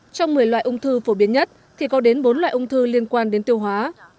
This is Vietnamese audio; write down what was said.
trong một mươi loại ung thư phổ biến nhất thì có đến bốn loại ung thư liên quan đến tiêu hóa